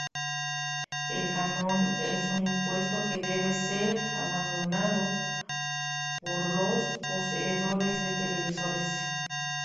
El canon es un impuesto que debe ser abonado por los poseedores de televisores.